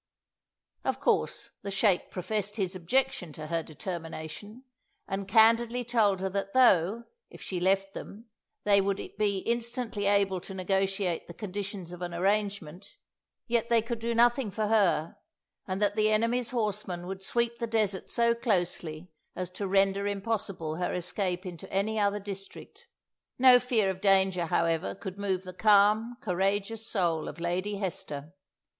Of course the sheikh professed his objection to her determination, and candidly told her that though, if she left them, they would be instantly able to negotiate the conditions of an arrangement, yet they could do nothing for her, and that the enemy's horsemen would sweep the desert so closely as to render impossible her escape into any other district. No fear of danger, however, could move the calm, courageous soul of Lady Hester.